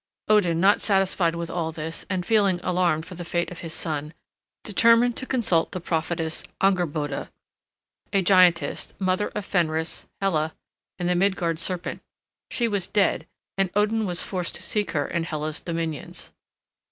Odin, not satisfied with all this, and feeling alarmed for the fate of his son, determined to consult the prophetess Angerbode, a giantess, mother of Fenris, Hela, and the Midgard serpent. She was dead, and Odin was forced to seek her in Hela's dominions.